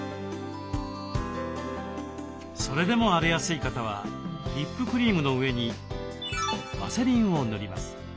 それでも荒れやすい方はリップクリームの上にワセリンを塗ります。